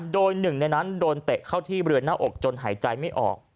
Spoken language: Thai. โดย๑ในนั้นโดนเตะเข้าที่เรือนหน้าอกจนหายใจไม่ออก